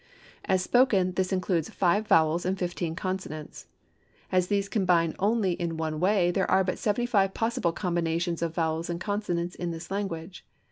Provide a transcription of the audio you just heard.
As spoken, this includes five vowels and fifteen consonants. As these combine only in one way there are but seventy five possible combinations of vowels and consonants in this language.